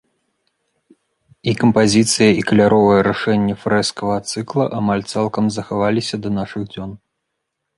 І кампазіцыя, і каляровае рашэнне фрэскавага цыкла амаль цалкам захаваліся да нашых дзён.